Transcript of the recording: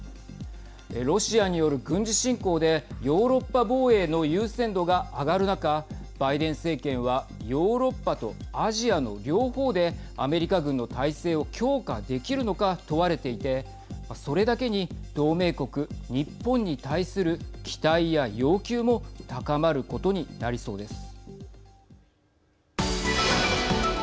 ロシアによる軍事侵攻でヨーロッパ防衛の優先度が上がる中バイデン政権はヨーロッパとアジアの両方でアメリカ軍の態勢を強化できるのか問われていてそれだけに同盟国、日本に対する期待や要求も高まることになりそうです。